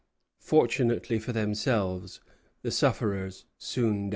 Fortunately for themselves, the sufferers soon died.